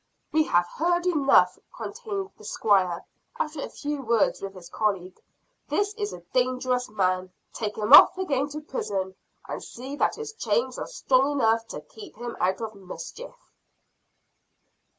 "We have heard enough," continued the Squire, after a few words with his colleague. "This is a dangerous man. Take him off again to prison; and see that his chains are strong enough to keep him out of mischief."